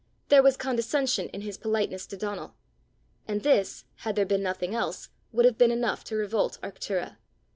there was condescension in his politeness to Donal! and this, had there been nothing else, would have been enough to revolt Arctura.